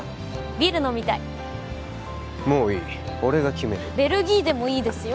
ビール飲みたいもういい俺が決めるベルギーでもいいですよ